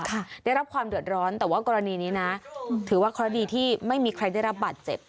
ได้รับความเดือดร้อนแต่ว่ากรณีนี้นะถือว่าเคราะห์ดีที่ไม่มีใครได้รับบาดเจ็บ